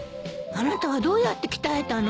あなたはどうやって鍛えたの？